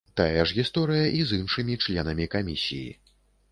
Тая ж гісторыя і з іншымі членамі камісіі.